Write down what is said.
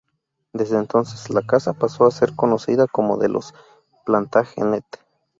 Desde entonces, la Casa pasó a ser conocida como de los Plantagenet.